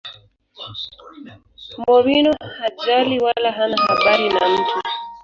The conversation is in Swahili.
mourinho hajali wala hana habari na mtu